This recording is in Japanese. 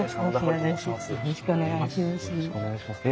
よろしくお願いします。